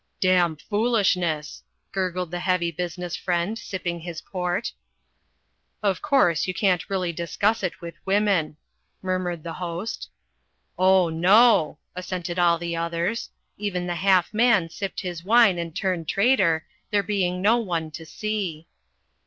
"Damn foolishness," gurgled the Heavy Business Friend, sipping his port. "Of course you can't really discuss it with women," murmured the Host. "Oh, no," assented all the others. Even the Half Man sipped his wine and turned traitor, there being no one to see.